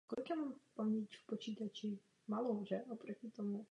Dotyčný však postavil pouze jediný.